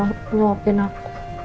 maksa nyuapin aku